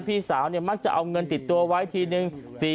พี่สาวมักจะเอาเงินติดตัวไว้ทีนึง